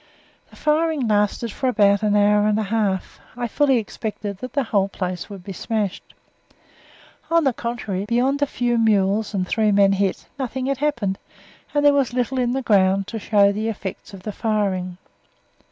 The firing lasted for about an hour and a half. I fully expected that the whole place would be smashed. On the contrary, beyond a few mules and three men hit, nothing had happened, and there was little in the ground to show the effects of the firing.